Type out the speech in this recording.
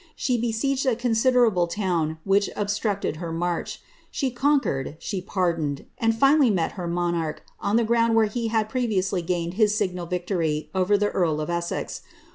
She besieged a oonsiderable town which obstructed her march. She eonqaered, she pardoned ; and flnally met her monarch on the ground where he kad previously gaineil his signal victory over the earl of Essex.